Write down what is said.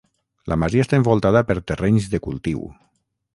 La masia està envoltada per terrenys de cultiu.